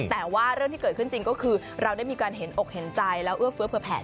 แต่ว่าเรื่องที่เกิดขึ้นจริงก็คือเราได้มีการเห็นอกเห็นใจแล้วเอื้อเฟื้อเผื่อแผล